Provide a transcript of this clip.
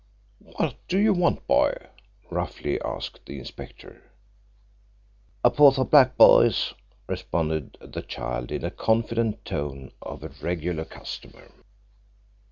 "What do you want, boy?" roughly asked the inspector. "A 'a'porth of blackboys," responded the child, in the confident tone of a regular customer.